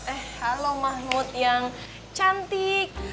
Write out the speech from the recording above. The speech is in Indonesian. eh halo mahmud yang cantik